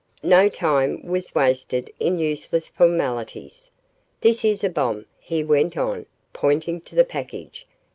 No time was wasted in useless formalities. "This is a bomb," he went on, pointing to the package.